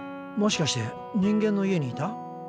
もしかして人間の家にいた？